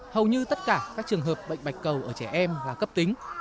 hầu như tất cả các trường hợp bệnh bạch cầu ở trẻ em là cấp tính